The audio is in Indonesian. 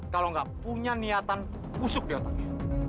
kalau tidak punya niatan pusuk di otaknya